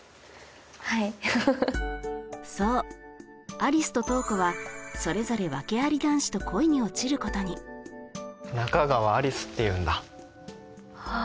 そう有栖と瞳子はそれぞれ訳あり男子と恋に落ちることに仲川有栖っていうんだあっ